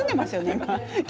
今。